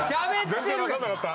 全然わかんなかった。